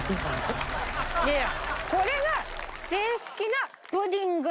いやいや。